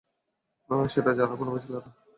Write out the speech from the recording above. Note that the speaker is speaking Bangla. সেটা জানার কোন উপায় ছিলো না।